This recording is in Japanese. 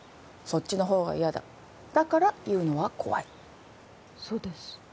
そっちのほうが嫌だだから言うのは怖いそうです